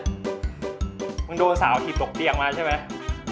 ชื่อฟอยแต่ไม่ใช่แฟง